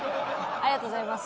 ありがとうございます。